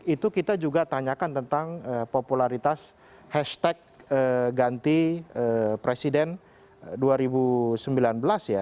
itu kita juga tanyakan tentang popularitas hashtag ganti presiden dua ribu sembilan belas ya